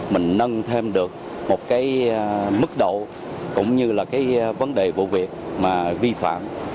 mình nâng thêm được một cái mức độ cũng như là cái vấn đề vụ việc mà vi phạm